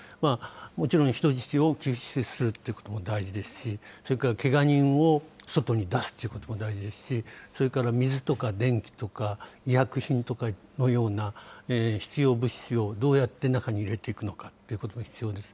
もちろん人質を救出するっていうことも大事ですし、それからけが人を外に出すということも大事ですし、それから水とか電気とか、医薬品とかのような、必要物資をどうやって中に入れていくのかっていうことも必要です。